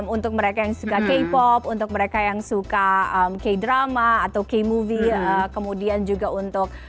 untuk mereka yang suka k pop untuk mereka yang suka k drama atau k movie kemudian juga untuk